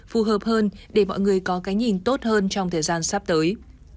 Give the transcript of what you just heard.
phù hợp hơn để mọi người có cái nhìn tốt hơn trong thời gian sắp tới